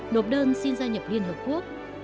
nộp đơn xin gia nhập liên hợp quốc